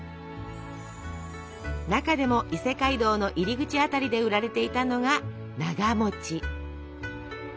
中でも伊勢街道の入り口辺りで売られていたのがなが。